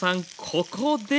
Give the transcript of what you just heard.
ここで！